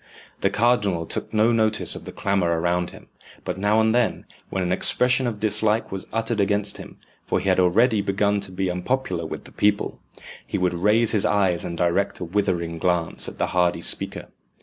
The cardinal took no notice of the clamour around him, but now and then, when an expression of dislike was uttered against him, for he had already begun to be unpopular with the people, he would raise his eyes and direct a withering glance at the hardy speaker.